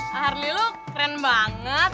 harley lu keren banget